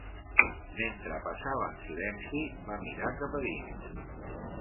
Mentre passava en silenci, va mirar cap a dins.